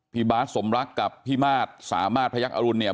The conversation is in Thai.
บาทสมรักกับพี่มาตรสามารถพยักษ์อรุณเนี่ย